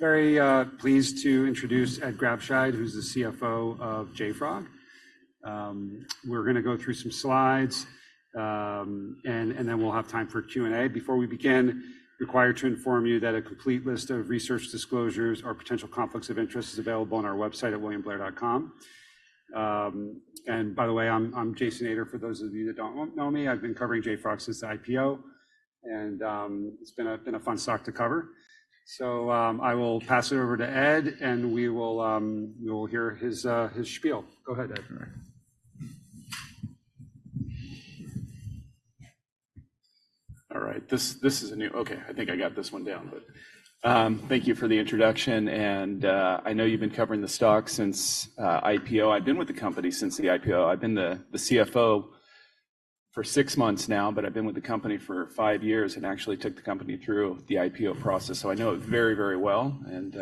Very pleased to introduce Ed Grabscheid, who's the CFO of JFrog. We're gonna go through some slides, and then we'll have time for Q&A. Before we begin, required to inform you that a complete list of research disclosures or potential conflicts of interest is available on our website at williamblair.com. And by the way, I'm Jason Ader. For those of you that don't know me, I've been covering JFrog since the IPO, and it's been a fun stock to cover. So, I will pass it over to Ed, and we will hear his spiel. Go ahead, Ed. All right. Okay, I think I got this one down, but thank you for the introduction, and I know you've been covering the stock since IPO. I've been with the company since the IPO. I've been the CFO for six months now, but I've been with the company for five years and actually took the company through the IPO process, so I know it very, very well. And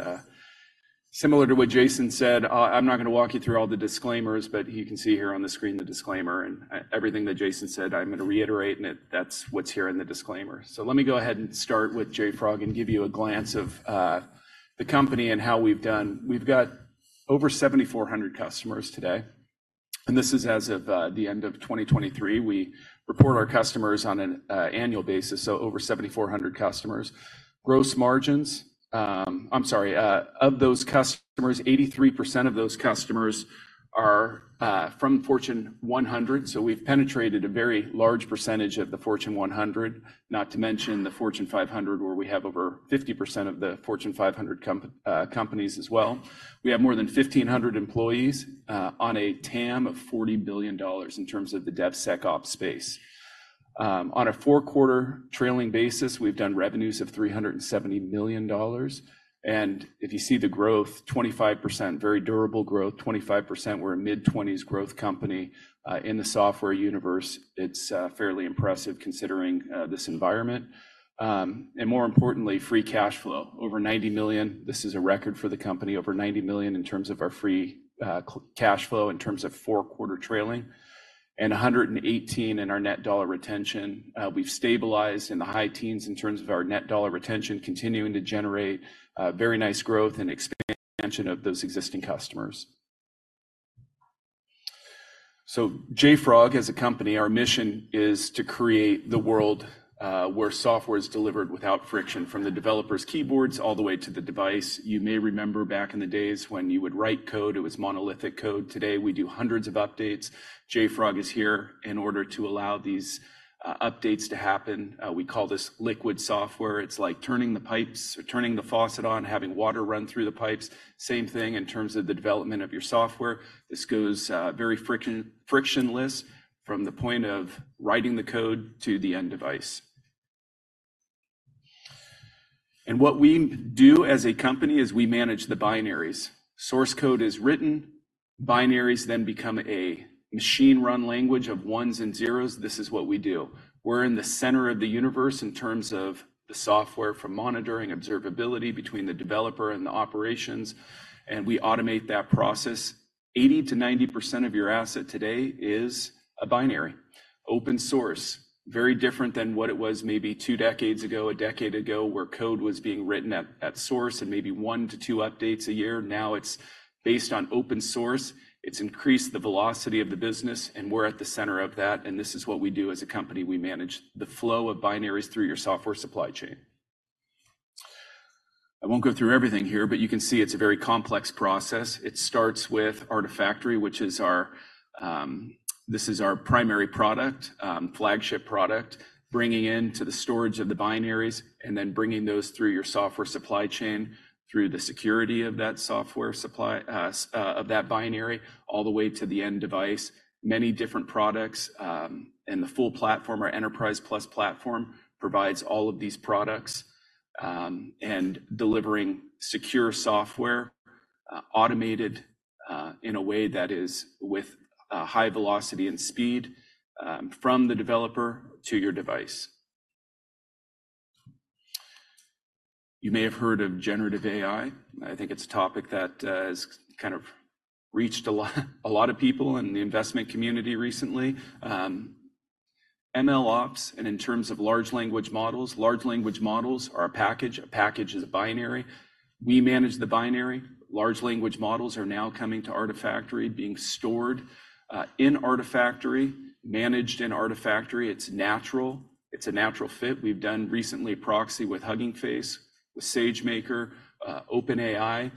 similar to what Jason said, I'm not gonna walk you through all the disclaimers, but you can see here on the screen the disclaimer and everything that Jason said, I'm gonna reiterate, and that's what's here in the disclaimer. So let me go ahead and start with JFrog and give you a glance of the company and how we've done. We've got over 7,400 customers today, and this is as of the end of 2023. We report our customers on an annual basis, so over 7,400 customers. Of those customers, 83% of those customers are from Fortune 100, so we've penetrated a very large percentage of the Fortune 100, not to mention the Fortune 500, where we have over 50% of the Fortune 500 companies as well. We have more than 1,500 employees, on a TAM of $40 billion in terms of the DevSecOps space. On a four-quarter trailing basis, we've done revenues of $370 million, and if you see the growth, 25%, very durable growth, 25%. We're a mid-20s growth company. In the software universe, it's fairly impressive, considering this environment. More importantly, free cash flow over $90 million. This is a record for the company, over $90 million in terms of our free cash flow, in terms of four-quarter trailing, and 118% in our net dollar retention. We've stabilized in the high teens in terms of our net dollar retention, continuing to generate very nice growth and expansion of those existing customers. So JFrog, as a company, our mission is to create the world where software is delivered without friction, from the developers' keyboards all the way to the device. You may remember back in the days when you would write code, it was monolithic code. Today, we do hundreds of updates. JFrog is here in order to allow these updates to happen. We call this liquid software. It's like turning the pipes or turning the faucet on, having water run through the pipes. Same thing in terms of the development of your software. This goes very frictionless from the point of writing the code to the end device. And what we do as a company is we manage the binaries. Source code is written, binaries then become a machine-readable language of ones and zeros. This is what we do. We're in the center of the universe in terms of the software from monitoring, observability between the developer and the operations, and we automate that process. 80%-90% of your asset today is a binary. Open source, very different than what it was maybe two decades ago, a decade ago, where code was being written at source and maybe one to two updates a year. Now, it's based on open source. It's increased the velocity of the business, and we're at the center of that, and this is what we do as a company. We manage the flow of binaries through your software supply chain. I won't go through everything here, but you can see it's a very complex process. It starts with Artifactory, which is our, this is our primary product, flagship product, bringing in to the storage of the binaries and then bringing those through your software supply chain, through the security of that software supply, of that binary, all the way to the end device. Many different products, and the full platform, our Enterprise+ platform, provides all of these products, and delivering secure software, automated, in a way that is with, high velocity and speed, from the developer to your device. You may have heard of Generative AI. I think it's a topic that has kind of reached a lot, a lot of people in the investment community recently. MLOps, and in terms of large language models, large language models are a package. A package is a binary. We manage the binary. Large language models are now coming to Artifactory, being stored in Artifactory, managed in Artifactory. It's natural. It's a natural fit. We've done recently a proxy with Hugging Face, with SageMaker, OpenAI.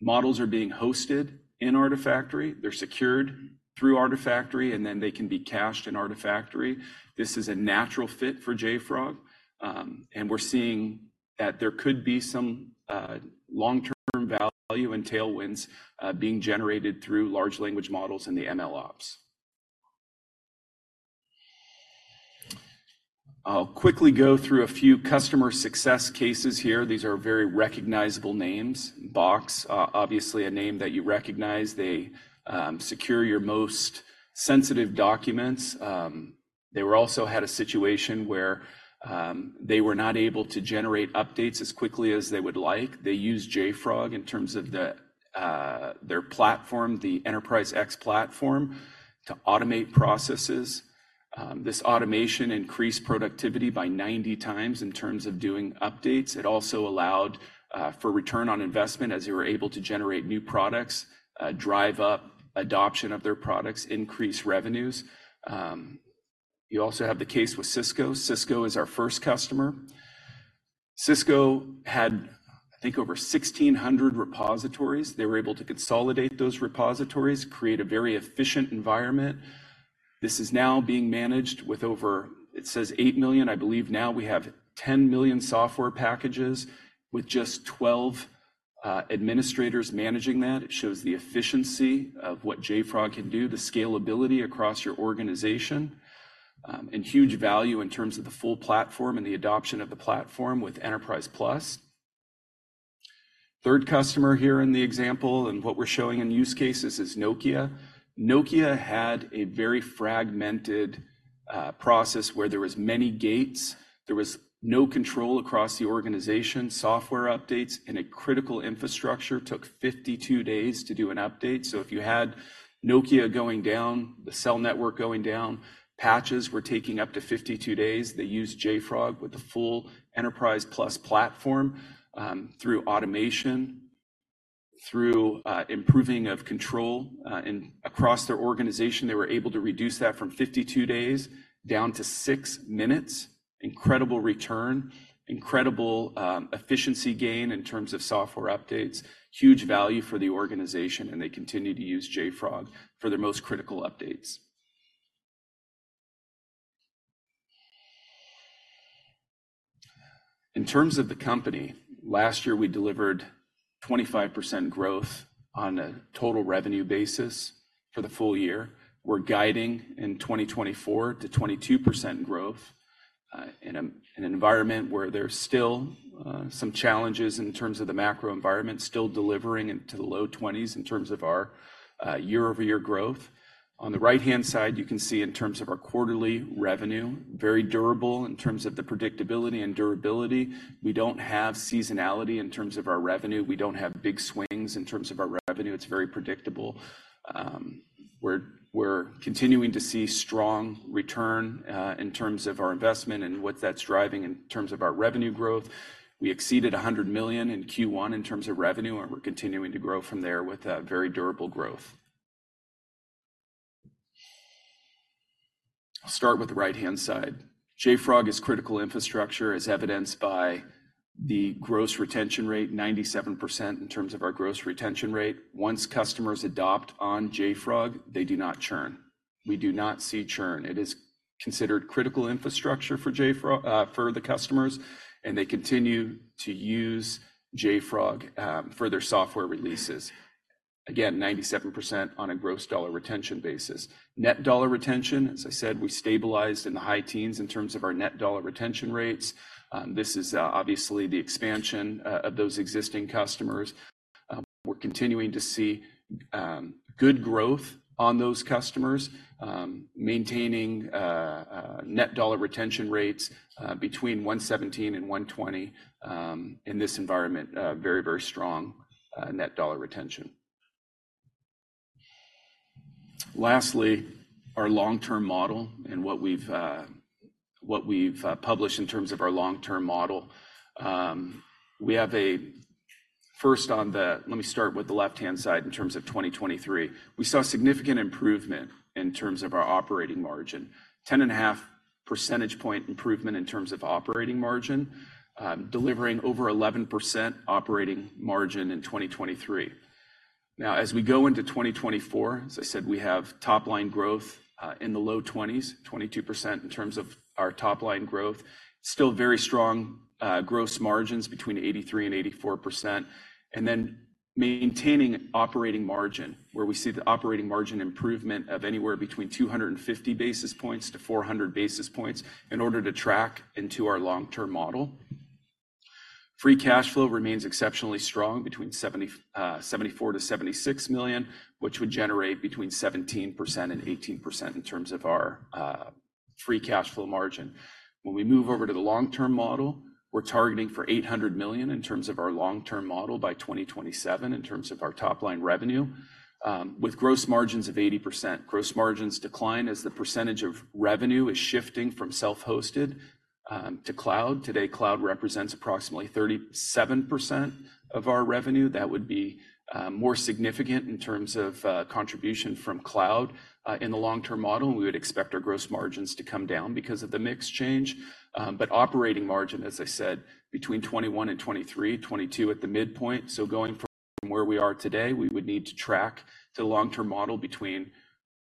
Models are being hosted in Artifactory. They're secured through Artifactory, and then they can be cached in Artifactory. This is a natural fit for JFrog, and we're seeing that there could be some long-term value and tailwinds being generated through large language models in the MLOps. I'll quickly go through a few customer success cases here. These are very recognizable names. Box, obviously a name that you recognize. They secure your most sensitive documents. They also had a situation where they were not able to generate updates as quickly as they would like. They used JFrog in terms of their platform, the Enterprise X platform, to automate processes. This automation increased productivity by 90x in terms of doing updates. It also allowed for return on investment as they were able to generate new products, drive up adoption of their products, increase revenues. You also have the case with Cisco. Cisco is our first customer. Cisco had, I think, over 1,600 repositories. They were able to consolidate those repositories, create a very efficient environment. This is now being managed with over 8 million. I believe now we have 10 million software packages with just 12 administrators managing that. It shows the efficiency of what JFrog can do, the scalability across your organization, and huge value in terms of the full platform and the adoption of the platform with Enterprise+. Third customer here in the example, and what we're showing in use cases, is Nokia. Nokia had a very fragmented process where there was many gates. There was no control across the organization. Software updates in a critical infrastructure took 52 days to do an update. So if you had Nokia going down, the cell network going down, patches were taking up to 52 days. They used JFrog with the full Enterprise+ platform, through automation, through improving of control. And across their organization, they were able to reduce that from 52 days down to six minutes. Incredible return, incredible, efficiency gain in terms of software updates, huge value for the organization, and they continue to use JFrog for their most critical updates. In terms of the company, last year, we delivered 25% growth on a total revenue basis for the full year. We're guiding in 2024 to 22% growth, in an environment where there's still some challenges in terms of the macro environment, still delivering into the low 20s in terms of our year-over-year growth. On the right-hand side, you can see in terms of our quarterly revenue, very durable in terms of the predictability and durability. We don't have seasonality in terms of our revenue. We don't have big swings in terms of our revenue. It's very predictable. We're continuing to see strong return in terms of our investment and what that's driving in terms of our revenue growth. We exceeded $100 million in Q1 in terms of revenue, and we're continuing to grow from there with a very durable growth. I'll start with the right-hand side. JFrog is critical infrastructure, as evidenced by the gross retention rate, 97% in terms of our gross retention rate. Once customers adopt on JFrog, they do not churn. We do not see churn. It is considered critical infrastructure for JFrog, for the customers, and they continue to use JFrog for their software releases. Again, 97% on a gross dollar retention basis. Net dollar retention, as I said, we stabilized in the high teens in terms of our net dollar retention rates. This is obviously the expansion of those existing customers. We're continuing to see good growth on those customers, maintaining Net Dollar Retention rates between 117 and 120, in this environment, very, very strong Net Dollar Retention. Lastly, our long-term model and what we've published in terms of our long-term model. Let me start with the left-hand side in terms of 2023. We saw significant improvement in terms of our operating margin, 10.5% point improvement in terms of operating margin, delivering over 11% operating margin in 2023. Now, as we go into 2024, as I said, we have top-line growth in the low 20s, 22% in terms of our top-line growth. Still very strong gross margins between 83%-84%, and then maintaining operating margin, where we see the operating margin improvement of anywhere between 250 basis points-400 basis points in order to track into our long-term model. Free cash flow remains exceptionally strong between $74 million-$76 million, which would generate between 17%-18% in terms of our free cash flow margin. When we move over to the long-term model, we're targeting for $800 million in terms of our long-term model by 2027, in terms of our top-line revenue, with gross margins of 80%. Gross margins decline as the percentage of revenue is shifting from self-hosted to cloud. Today, cloud represents approximately 37% of our revenue. That would be more significant in terms of contribution from cloud. In the long-term model, we would expect our gross margins to come down because of the mix change. But operating margin, as I said, between 21% and 23%, 22% at the midpoint. So going from where we are today, we would need to track to the long-term model between,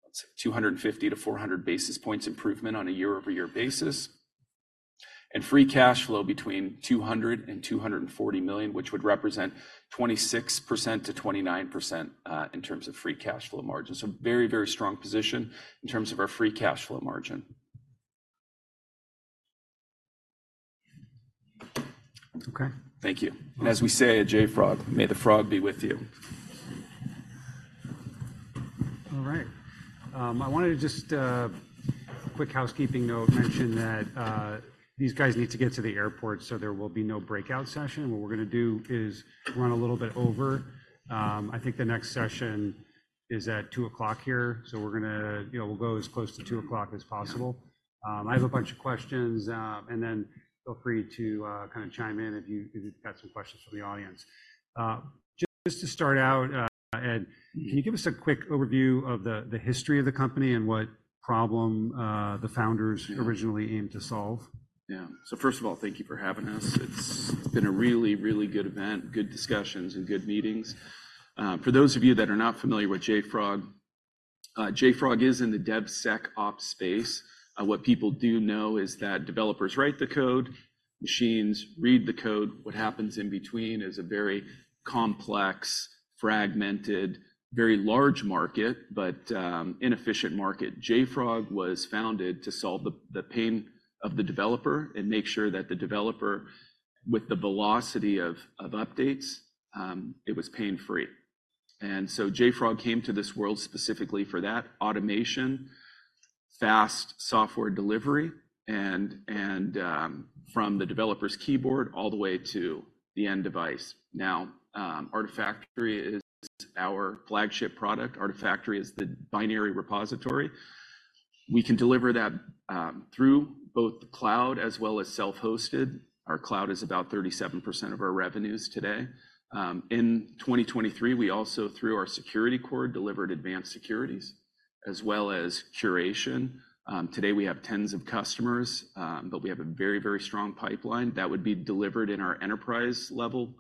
let's say, 250 basis points-400 basis points improvement on a year-over-year basis, and free cash flow between $200 million and $240 million, which would represent 26%-29%, in terms of free cash flow margin. So very, very strong position in terms of our free cash flow margin. Okay, thank you. And as we say at JFrog, may the frog be with you. All right. I wanted to just quick housekeeping note, mention that these guys need to get to the airport, so there will be no breakout session. What we're gonna do is run a little bit over. I think the next session is at two o'clock here, so we're gonna, you know, we'll go as close to two o'clock as possible. I have a bunch of questions, and then feel free to kind of chime in if you, if you've got some questions from the audience. Just to start out, Ed, can you give us a quick overview of the, the history of the company and what problem the founders- Yeah. - originally aimed to solve? Yeah. So first of all, thank you for having us. It's been a really, really good event, good discussions and good meetings. For those of you that are not familiar with JFrog, JFrog is in the DevSecOps space. What people do know is that developers write the code, machines read the code. What happens in between is a very complex, fragmented, very large market, but inefficient market. JFrog was founded to solve the pain of the developer and make sure that the developer, with the velocity of updates, it was pain-free. And so JFrog came to this world specifically for that: automation, fast software delivery, and from the developer's keyboard all the way to the end device. Now Artifactory is our flagship product. Artifactory is the binary repository. We can deliver that through both the cloud as well as self-hosted. Our cloud is about 37% of our revenues today. In 2023, we also, through our security core, delivered Advanced Securities as well as Curation. Today, we have tens of customers, but we have a very, very strong pipeline that would be delivered in our enterprise-level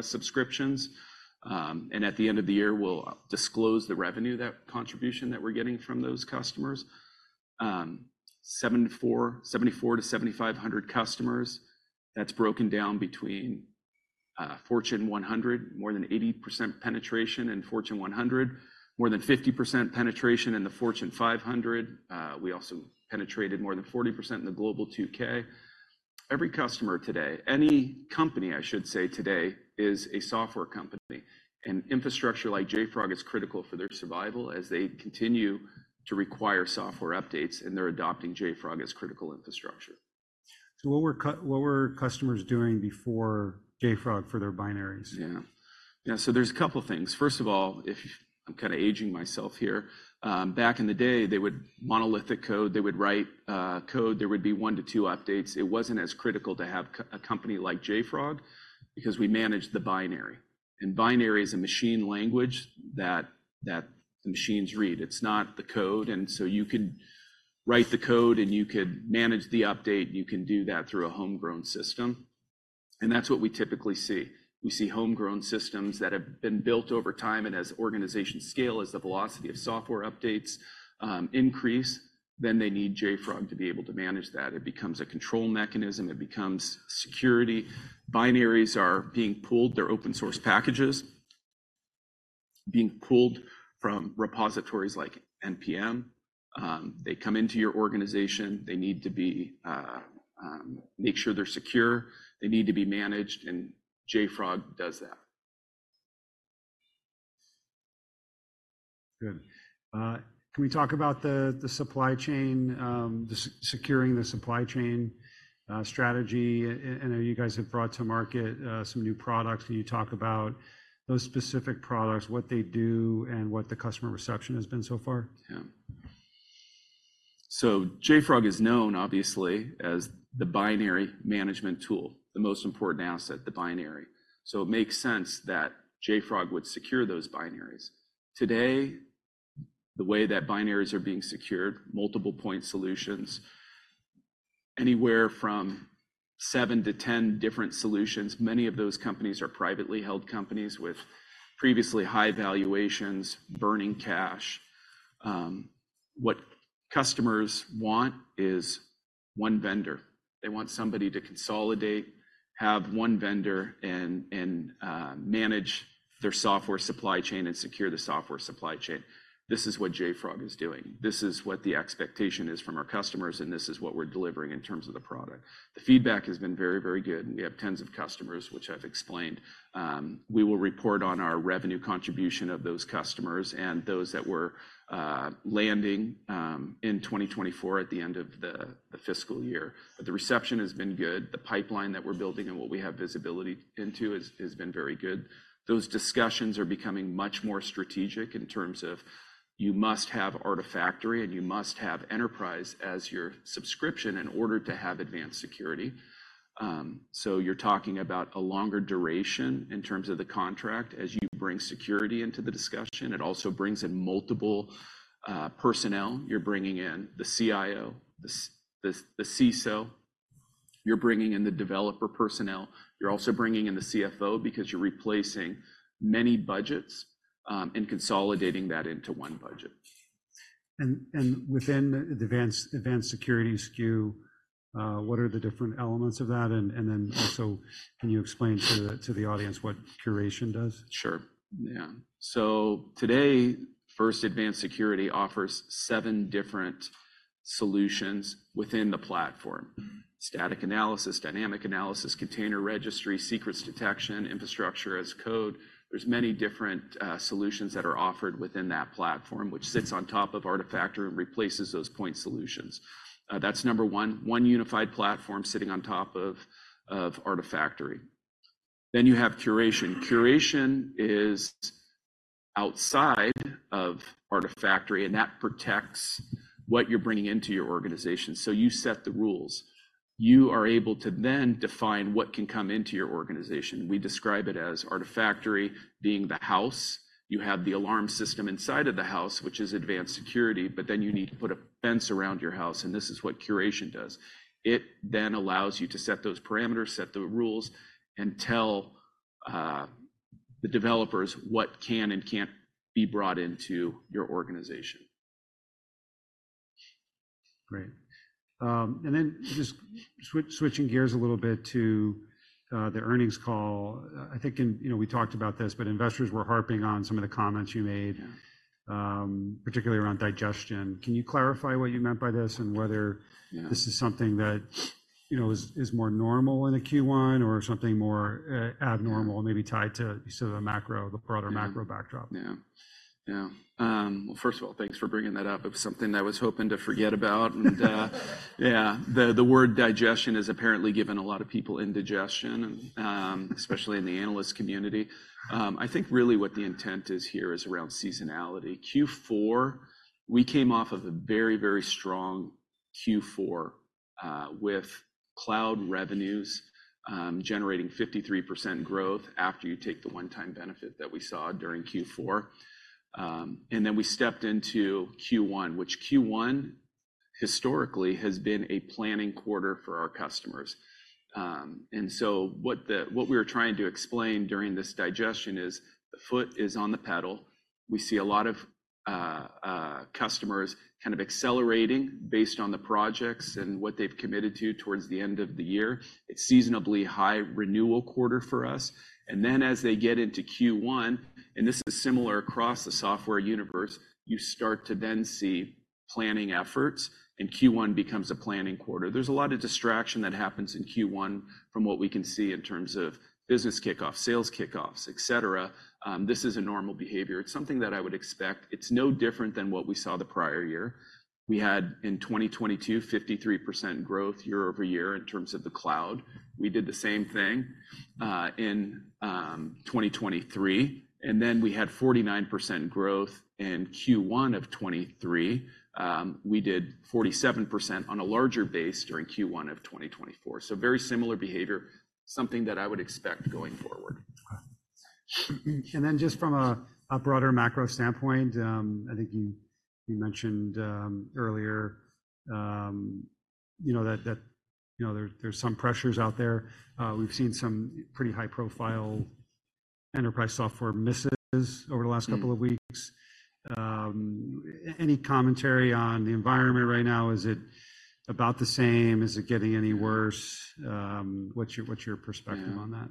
subscriptions. At the end of the year, we'll disclose the revenue, that contribution that we're getting from those customers. 7,400 customers-7,500 customers, that's broken down between Fortune 100, more than 80% penetration in Fortune 100, more than 50% penetration in the Fortune 500. We also penetrated more than 40% in the Global 2000. Every customer today, any company, I should say, today is a software company, and infrastructure like JFrog is critical for their survival as they continue to require software updates, and they're adopting JFrog as critical infrastructure. So what were customers doing before JFrog for their binaries? Yeah. Yeah, so there's a couple things. First of all, if-- I'm kinda aging myself here. Back in the day, they would monolithic code. They would write code. There would be one to two updates. It wasn't as critical to have a company like JFrog because we managed the binary, and binary is a machine language that the machines read. It's not the code, and so you could write the code, and you could manage the update. You can do that through a homegrown system, and that's what we typically see. We see homegrown systems that have been built over time, and as organizations scale, as the velocity of software updates increase, then they need JFrog to be able to manage that. It becomes a control mechanism. It becomes security. Binaries are being pulled. They're open-source packages being pulled from repositories like npm. They come into your organization. They need to be. Make sure they're secure. They need to be managed, and JFrog does that. Good. Can we talk about the supply chain, the securing the supply chain strategy? I know you guys have brought to market some new products. Can you talk about those specific products, what they do, and what the customer reception has been so far? Yeah. So JFrog is known, obviously, as the binary management tool, the most important asset, the binary. So it makes sense that JFrog would secure those binaries. Today, the way that binaries are being secured, multiple point solutions, anywhere from seven to ten different solutions, many of those companies are privately held companies with previously high valuations, burning cash. What customers want is one vendor. They want somebody to consolidate, have one vendor, and manage their software supply chain and secure the software supply chain. This is what JFrog is doing. This is what the expectation is from our customers, and this is what we're delivering in terms of the product. The feedback has been very, very good, and we have tens of customers, which I've explained. We will report on our revenue contribution of those customers and those that we're landing in 2024, at the end of the fiscal year. But the reception has been good. The pipeline that we're building and what we have visibility into is has been very good. Those discussions are becoming much more strategic in terms of you must have Artifactory, and you must have Enterprise as your subscription in order to have advanced security. So you're talking about a longer duration in terms of the contract. As you bring security into the discussion, it also brings in multiple personnel. You're bringing in the CIO, the CISO. You're bringing in the developer personnel. You're also bringing in the CFO because you're replacing many budgets and consolidating that into one budget. Within the Advanced Security SKU, what are the different elements of that? And then also, can you explain to the audience what Curation does? Sure. Yeah. So today, first, Advanced Security offers seven different solutions within the platform: static analysis, dynamic analysis, container registry, secrets detection, infrastructure as code. There's many different solutions that are offered within that platform, which sits on top of Artifactory and replaces those point solutions. That's number one, one unified platform sitting on top of Artifactory. Then you have Curation. Curation is outside of Artifactory, and that protects what you're bringing into your organization. So you set the rules. You are able to then define what can come into your organization. We describe it as Artifactory being the house. You have the alarm system inside of the house, which is Advanced Security, but then you need to put a fence around your house, and this is what Curation does. It then allows you to set those parameters, set the rules, and tell the developers what can and can't be brought into your organization. Great. And then just switching gears a little bit to the earnings call. I think in-- you know, we talked about this, but investors were harping on some of the comments you made- Yeah. particularly around digestion. Can you clarify what you meant by this and whether- Yeah... this is something that, you know, is more normal in a Q1 or something more abnormal- Yeah... maybe tied to sort of a macro, the broader macro backdrop? Yeah. Yeah. Well, first of all, thanks for bringing that up. It was something I was hoping to forget about. And, yeah, the word digestion has apparently given a lot of people indigestion, especially in the analyst community. I think really what the intent is here is around seasonality. Q4, we came off of a very, very strong Q4 with cloud revenues generating 53% growth after you take the one-time benefit that we saw during Q4. And then we stepped into Q1, which Q1 historically has been a planning quarter for our customers. And so what we were trying to explain during this digestion is the foot is on the pedal. We see a lot of customers kind of accelerating based on the projects and what they've committed to towards the end of the year. It's seasonably high renewal quarter for us. And then as they get into Q1, and this is similar across the software universe, you start to then see planning efforts, and Q1 becomes a planning quarter. There's a lot of distraction that happens in Q1 from what we can see in terms of business kickoffs, sales kickoffs, et cetera. This is a normal behavior. It's something that I would expect. It's no different than what we saw the prior year. We had, in 2022, 53% growth year over year in terms of the cloud. We did the same thing, in, 2023, and then we had 49% growth in Q1 of 2023. We did 47% on a larger base during Q1 of 2024. So very similar behavior, something that I would expect going forward. Okay. And then just from a broader macro standpoint, I think you mentioned earlier, you know, that you know, there's some pressures out there. We've seen some pretty high-profile Enterprise software misses over the last couple of weeks. Mm. Any commentary on the environment right now? Is it about the same? Is it getting any worse? What's your perspective on that?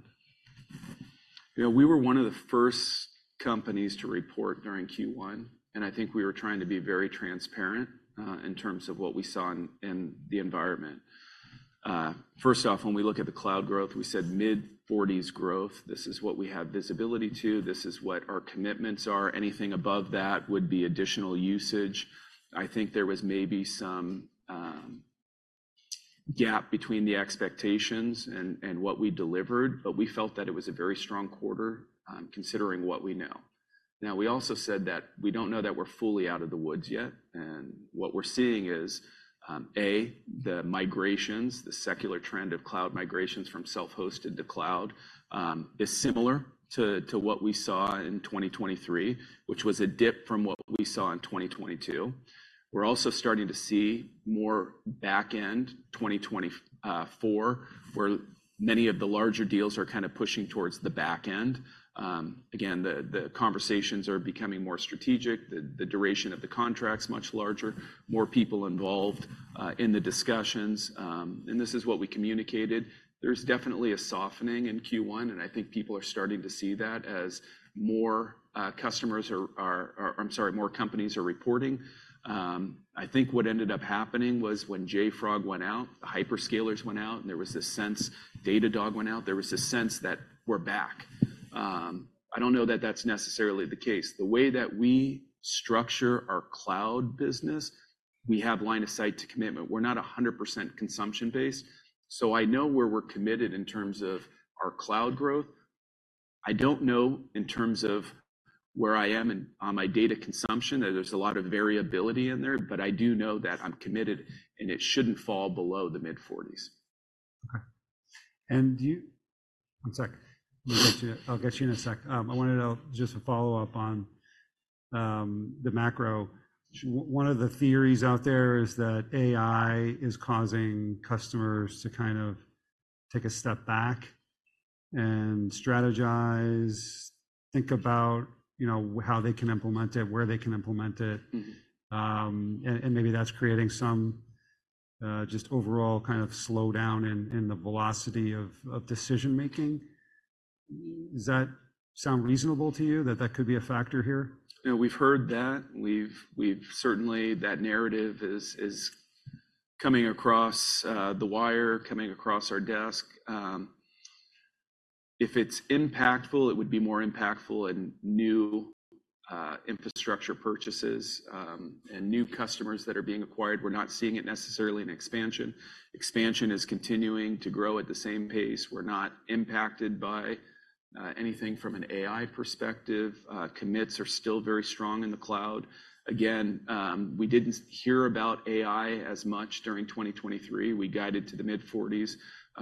Yeah. You know, we were one of the first companies to report during Q1, and I think we were trying to be very transparent, in terms of what we saw in, in the environment. First off, when we look at the cloud growth, we said mid-forties growth. This is what we have visibility to. This is what our commitments are. Anything above that would be additional usage. I think there was maybe some gap between the expectations and, and what we delivered, but we felt that it was a very strong quarter, considering what we know. Now, we also said that we don't know that we're fully out of the woods yet, and what we're seeing is, the migrations, the secular trend of cloud migrations from self-hosted to cloud, is similar to what we saw in 2023, which was a dip from what we saw in 2022. We're also starting to see more back end 2024, where many of the larger deals are kind of pushing towards the back end. Again, the conversations are becoming more strategic, the duration of the contract's much larger, more people involved in the discussions, and this is what we communicated. There's definitely a softening in Q1, and I think people are starting to see that as more customers are... I'm sorry, more companies are reporting. I think what ended up happening was when JFrog went out, the hyperscalers went out, and there was this sense, Datadog went out, there was this sense that we're back. I don't know that that's necessarily the case. The way that we structure our cloud business, we have line of sight to commitment. We're not 100% consumption-based, so I know where we're committed in terms of our cloud growth. I don't know in terms of where I am in, on my data consumption, that there's a lot of variability in there, but I do know that I'm committed, and it shouldn't fall below the mid-40s. Okay. And do you - One sec. I'll get to you. I'll get to you in a sec. I wanted to know, just to follow up on the macro. One of the theories out there is that AI is causing customers to kind of take a step back and strategize, think about, you know, how they can implement it, where they can implement it. Mm-hmm. Maybe that's creating some just overall kind of slowdown in the velocity of decision-making. Mm. Does that sound reasonable to you, that that could be a factor here? You know, we've heard that. We've certainly... That narrative is coming across the wire, coming across our desk. If it's impactful, it would be more impactful in new infrastructure purchases and new customers that are being acquired. We're not seeing it necessarily in expansion. Expansion is continuing to grow at the same pace. We're not impacted by anything from an AI perspective. Commits are still very strong in the cloud. Again, we didn't hear about AI as much during 2023. We guided to the mid-40s.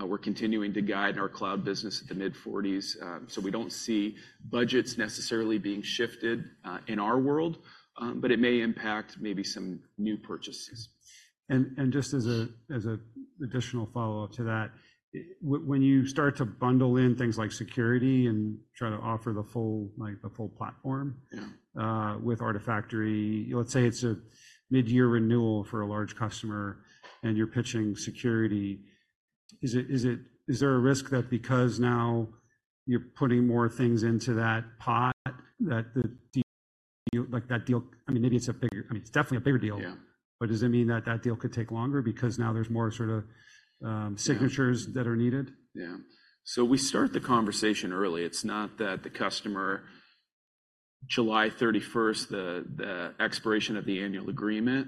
We're continuing to guide our cloud business at the mid-40s. So we don't see budgets necessarily being shifted in our world, but it may impact maybe some new purchases. And just as an additional follow-up to that, when you start to bundle in things like security and try to offer the full, like, the full platform- Yeah ... with Artifactory, let's say it's a mid-year renewal for a large customer, and you're pitching security. Is there a risk that because now you're putting more things into that pot, that the deal, like that deal... I mean, maybe it's a bigger, I mean, it's definitely a bigger deal. Yeah. Does it mean that that deal could take longer because now there's more sort of? Yeah... signatures that are needed? Yeah. So we start the conversation early. It's not that the customer, July thirty-first, the expiration of the annual agreement.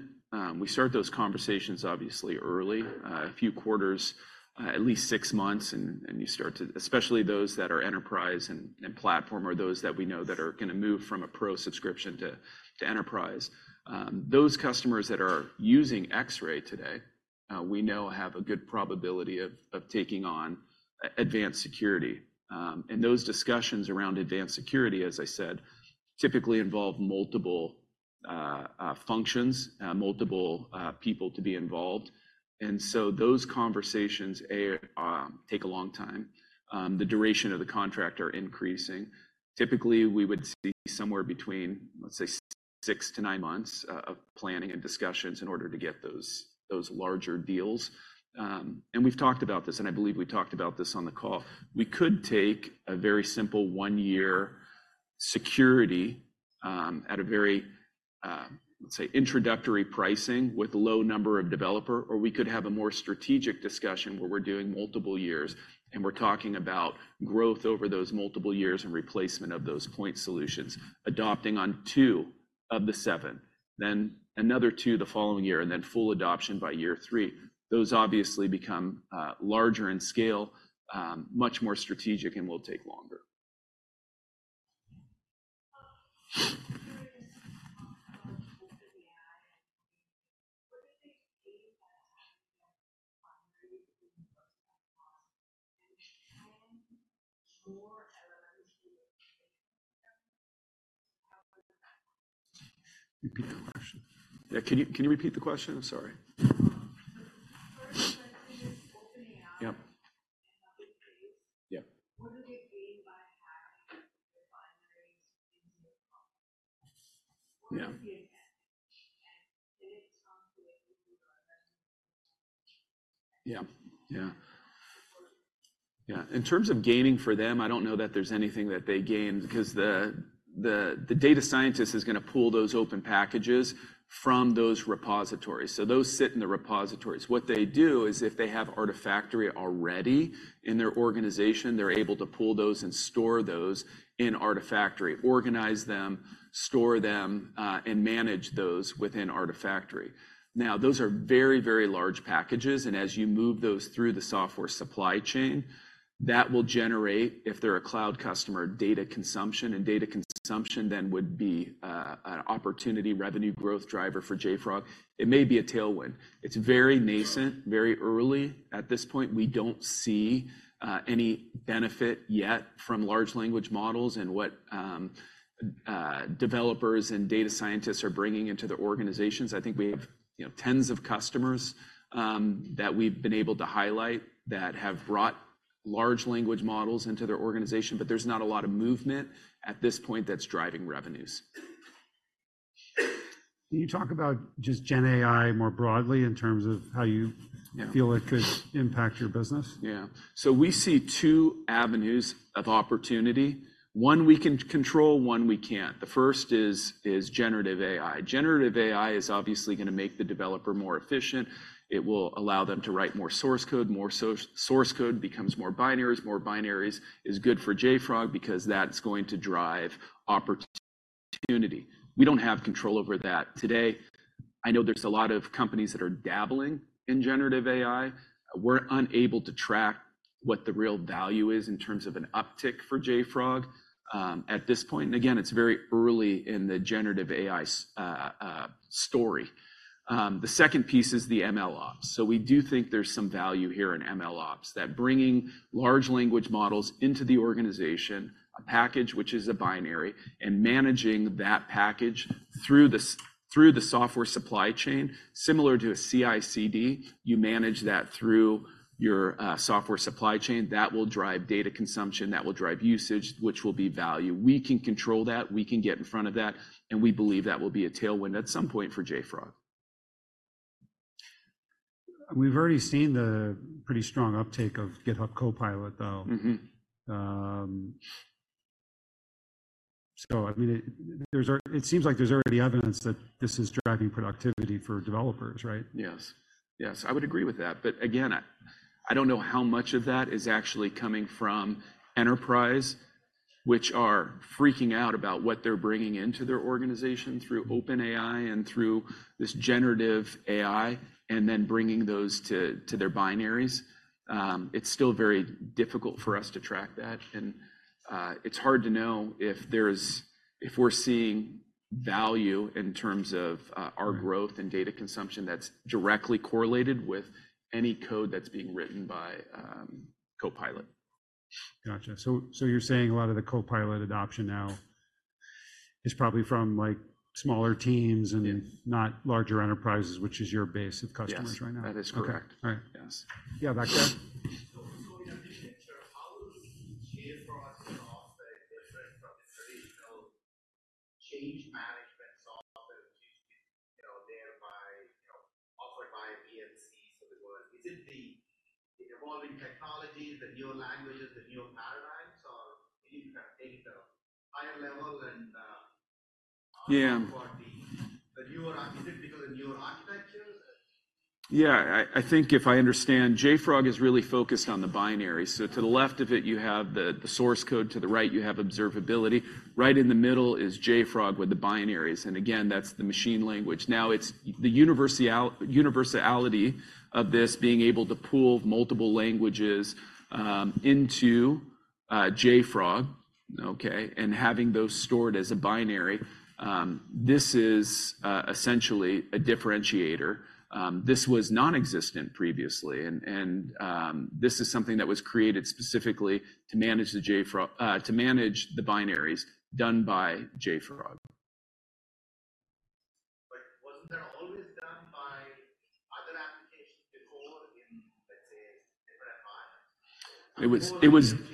We start those conversations obviously early- Right... a few quarters, at least 6 months, and you start to especially those that are Enterprise and platform, or those that we know that are gonna move from a Pro subscription to Enterprise. Those customers that are using Xray today, we know have a good probability of taking on Advanced Security. And those discussions around Advanced Security, as I said, typically involve multiple functions, multiple people to be involved. And so those conversations take a long time. The duration of the contract are increasing. Typically, we would see somewhere between, let's say, 6-9 months of planning and discussions in order to get those larger deals. And we've talked about this, and I believe we talked about this on the call. We could take a very simple one-year security, at a very, let's say, introductory pricing with a low number of developer, or we could have a more strategic discussion where we're doing multiple years, and we're talking about growth over those multiple years and replacement of those point solutions, adopting on two of the seven, then another two the following year, and then full adoption by year three. Those obviously become, larger in scale, much more strategic and will take longer. With OpenAI, what do they gain by having? Repeat the question. Yeah, can you, can you repeat the question? I'm sorry. First, with OpenAI- Yep... and other things. Yeah. What do they gain by having the binaries in your company? Yeah. What do they gain? And it's not the way you do it. Yeah. Yeah. Sorry. Yeah. In terms of gaining for them, I don't know that there's anything that they gain because the data scientist is gonna pull those open packages from those repositories. So those sit in the repositories. What they do is, if they have Artifactory already in their organization, they're able to pull those and store those in Artifactory, organize them, store them, and manage those within Artifactory. Now, those are very, very large packages, and as you move those through the software supply chain, that will generate, if they're a cloud customer, data consumption, and data consumption then would be an opportunity revenue growth driver for JFrog. It may be a tailwind. It's very nascent, very early. At this point, we don't see any benefit yet from large language models and what developers and data scientists are bringing into their organizations. I think we have, you know, tens of customers that we've been able to highlight that have brought large language models into their organization, but there's not a lot of movement at this point that's driving revenues. Can you talk about just Gen AI more broadly in terms of how you- Yeah... feel it could impact your business? Yeah. So we see two avenues of opportunity. One we can control, one we can't. The first is generative AI. Generative AI is obviously gonna make the developer more efficient. It will allow them to write more source code. More source, source code becomes more binaries. More binaries is good for JFrog because that's going to drive opportunity. We don't have control over that today. I know there's a lot of companies that are dabbling in Generative AI. We're unable to track what the real value is in terms of an uptick for JFrog at this point. And again, it's very early in the Generative AI story. The second piece is the MLOps. So we do think there's some value here in MLOps, that bringing large language models into the organization, a package which is a binary, and managing that package through the software supply chain, similar to a CI/CD, you manage that through your software supply chain, that will drive data consumption, that will drive usage, which will be value. We can control that, we can get in front of that, and we believe that will be a tailwind at some point for JFrog. We've already seen the pretty strong uptake of GitHub Copilot, though. Mm-hmm. So I mean, it seems like there's already evidence that this is driving productivity for developers, right? Yes. Yes, I would agree with that. But again, I don't know how much of that is actually coming from Enterprise, which are freaking out about what they're bringing into their organization through OpenAI and through this generative AI, and then bringing those to their binaries. It's still very difficult for us to track that, and it's hard to know if there's - if we're seeing value in terms of our growth and data consumption that's directly correlated with any code that's being written by Copilot. Gotcha. So, so you're saying a lot of the Copilot adoption now is probably from, like, smaller teams and- Yeah... not larger enterprises, which is your base of customers right now? Yes, that is correct. Okay. All right. Yes. Yeah, back there. So, we have to make sure, how does JFrog solve, right, from the traditional change management software, you know, thereby, you know, offered by BMCs of the world? Is it the evolving technologies, the new languages, the new paradigms, or we need to take the higher level and, Yeah For the newer... Is it because of the newer architectures? Yeah, I think if I understand, JFrog is really focused on the binaries. So to the left of it, you have the source code, to the right, you have observability. Right in the middle is JFrog with the binaries, and again, that's the machine language. Now, it's the universality of this being able to pool multiple languages into JFrog, okay, and having those stored as a binary. This is essentially a differentiator. This was non-existent previously, and this is something that was created specifically to manage the binaries done by JFrog. But wasn't that always done by other applications before in, let's say, different environments? It was. Change management, as you put different versions of software into a, to Enterprise.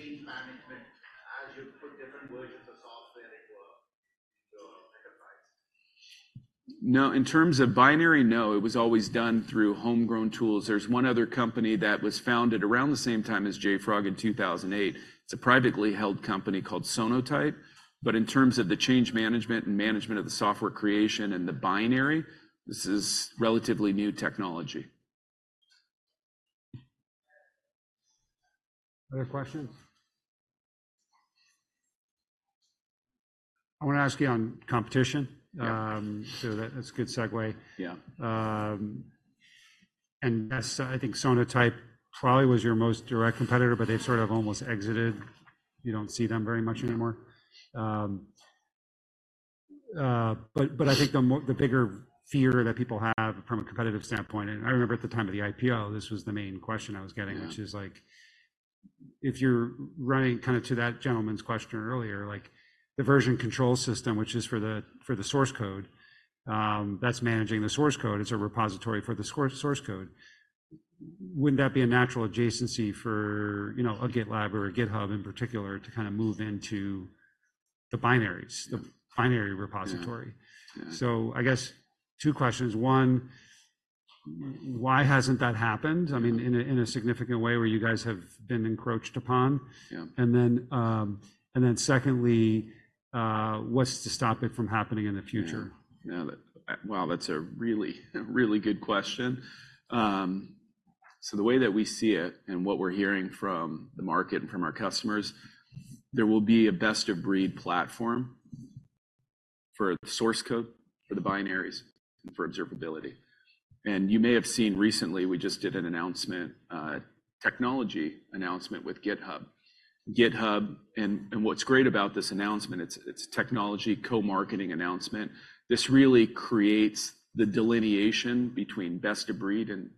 No, in terms of binary, no, it was always done through homegrown tools. There's one other company that was founded around the same time as JFrog in 2008. It's a privately held company called Sonatype. But in terms of the change management and management of the software creation and the binary, this is relatively new technology. Other questions? I want to ask you on competition. Yeah. So that, that's a good segue. Yeah. And that's, I think, Sonatype probably was your most direct competitor, but they've sort of almost exited. You don't see them very much anymore. But I think the bigger fear that people have from a competitive standpoint, and I remember at the time of the IPO, this was the main question I was getting- Yeah... which is like, if you're running, kinda to that gentleman's question earlier, like, the version control system, which is for the, for the source code, that's managing the source code. It's a repository for the source code. Wouldn't that be a natural adjacency for, you know, a GitLab or a GitHub in particular to kinda move into the binaries- Yeah... the binary repository? Yeah. I guess two questions. One, why hasn't that happened? Mm-hmm... I mean, in a significant way, where you guys have been encroached upon? Yeah. And then secondly, what's to stop it from happening in the future? Yeah. Yeah, that... Wow, that's a really, really good question. So the way that we see it and what we're hearing from the market and from our customers, there will be a best-of-breed platform for the source code, for the binaries, and for observability. You may have seen recently, we just did an announcement, technology announcement with GitHub. GitHub, and what's great about this announcement, it's technology co-marketing announcement. This really creates the delineation between best of breed and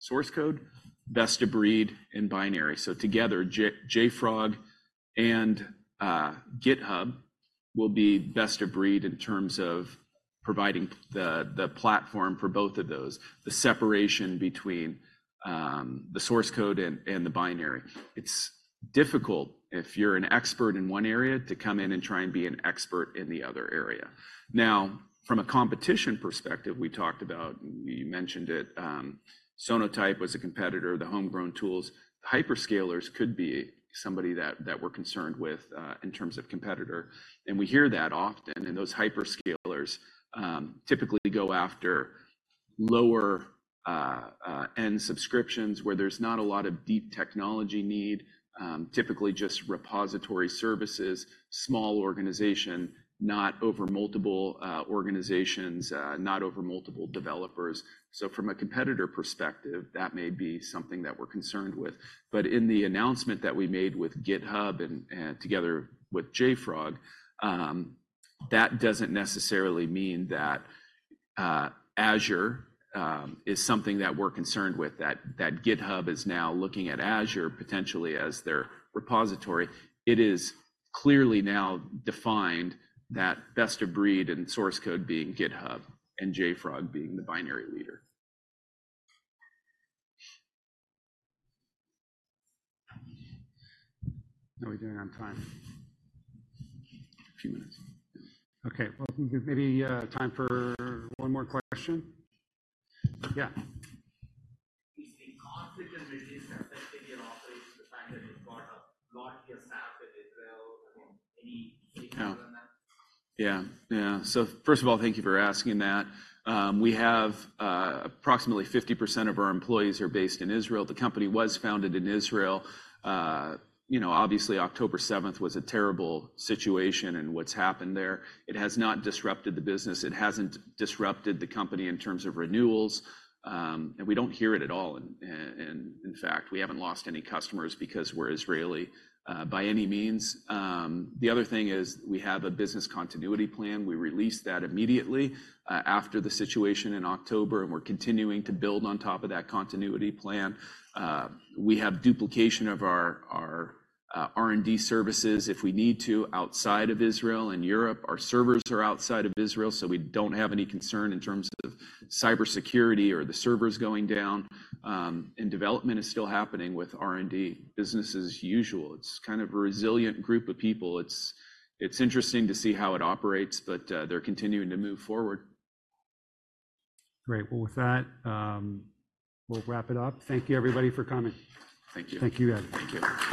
source code, best of breed and binary. So together, JFrog and GitHub will be best of breed in terms of providing the platform for both of those, the separation between the source code and the binary. It's difficult if you're an expert in one area, to come in and try and be an expert in the other area. Now, from a competition perspective, we talked about, you mentioned it, Sonatype was a competitor, the homegrown tools. Hyperscalers could be somebody that, that we're concerned with, in terms of competitor, and we hear that often, and those hyperscalers, typically go after lower, end subscriptions where there's not a lot of deep technology need, typically just repository services, small organization, not over multiple, organizations, not over multiple developers. So from a competitor perspective, that may be something that we're concerned with. But in the announcement that we made with GitHub and, and together with JFrog, that doesn't necessarily mean that, Azure, is something that we're concerned with, that, that GitHub is now looking at Azure potentially as their repository. It is clearly now defined that best of breed and source code being GitHub and JFrog being the binary leader. How are we doing on time? A few minutes. Okay, well, we have maybe time for one more question. Yeah. Is the conflict in Israel affecting your operations, the fact that you've got a lot of your staff in Israel? I mean, any take on that? Yeah. Yeah. So first of all, thank you for asking that. We have approximately 50% of our employees based in Israel. The company was founded in Israel. You know, obviously, October seventh was a terrible situation and what's happened there. It has not disrupted the business. It hasn't disrupted the company in terms of renewals, and we don't hear it at all. And in fact, we haven't lost any customers because we're Israeli, by any means. The other thing is we have a business continuity plan. We released that immediately after the situation in October, and we're continuing to build on top of that continuity plan. We have duplication of our R&D services if we need to, outside of Israel and Europe. Our servers are outside of Israel, so we don't have any concern in terms of cybersecurity or the servers going down. Development is still happening with R&D. Business as usual. It's kind of a resilient group of people. It's interesting to see how it operates, but they're continuing to move forward. Great. Well, with that, we'll wrap it up. Thank you, everybody, for coming. Thank you. Thank you, guys. Thank you.